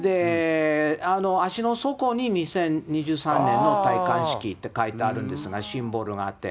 足の底に２０２３年の戴冠式って書いてあるんですが、シンボルがあって。